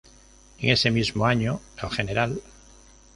En ese mismo año el Gral.